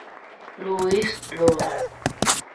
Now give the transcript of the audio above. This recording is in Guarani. Luis róga.